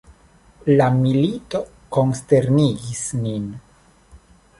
La milito konsternigis nin.